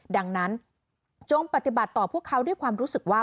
ดังนั้นจงปฏิบัติต่อพวกเขาด้วยความรู้สึกว่า